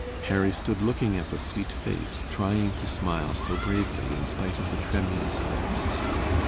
Harry stood looking at the sweet face, trying to smile so bravely in spite of the tremulous lips.